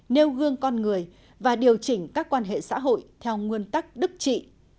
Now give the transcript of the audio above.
nêu gương con người và điều chỉnh các quan hệ xã hội theo nguyên tắc đức trị